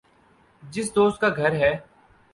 جس دوست کا گھر ہے